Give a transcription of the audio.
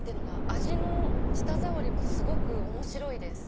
味の舌触りもすごく面白いです。